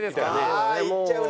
ああいっちゃうね。